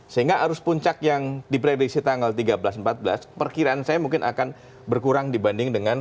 sehingga arus puncak yang diprediksi tanggal tiga belas empat belas perkiraan saya mungkin akan berkurang dibanding dengan